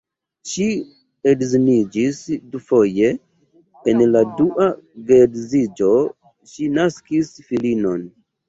Ŝi edziniĝis dufoje, en la dua geedziĝo ŝi naskis filinon.